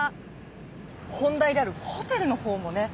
本題であるホテルのほうもね。